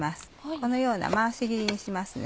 このような回し切りにしますね。